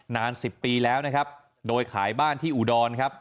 นาน๑๐ปีแล้วนะครับโดยขายบ้านที่อุดรครับ